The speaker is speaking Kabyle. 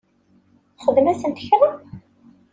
Txdem-asen kra?